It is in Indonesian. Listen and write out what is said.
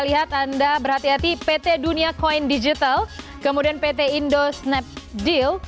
lihat anda berhati hati pt dunia koin digital kemudian pt indo snap deal